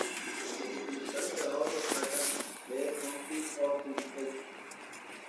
Entre sus principales trabajos se destacan “The frontiers of Civilization.